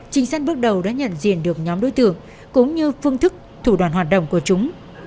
trinh sát bước đầu đã nhận diện được nhóm đối tượng cũng như phương thức thủ đoàn hoạt động của chúng